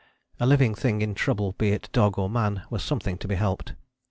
A living thing in trouble be it dog or man was something to be helped.